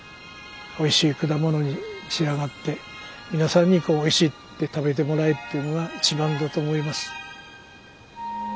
おいしい果物に仕上がって皆さんにこう「おいしい」って食べてもらえるっていうのが一番だと思います。